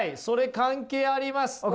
それ関係あります。